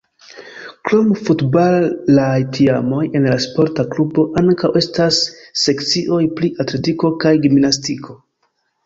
Krom futbalaj teamoj en la sporta klubo ankaŭ estas sekcioj pri atletiko kaj gimnastiko.